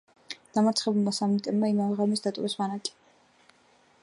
დამარცხებულმა სამნიტებმა იმავე ღამეს დატოვეს ბანაკი.